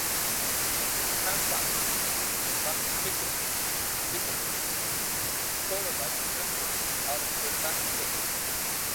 In handsamples, macroscopically visible staurolite crystals are of prismatic shape.